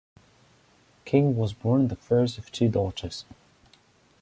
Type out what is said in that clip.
King was born the first of two daughters.